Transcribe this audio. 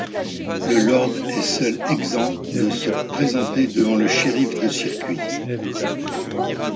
Le lord est seul exempt de se présenter devant le shériff de circuit.